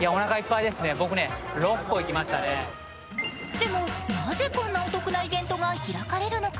でも、なぜこんなお得なイベントが開かれるのか。